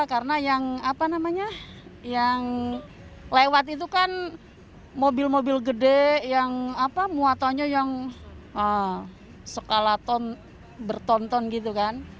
karena yang lewat itu kan mobil mobil gede yang muatannya yang sekalaton bertonton gitu kan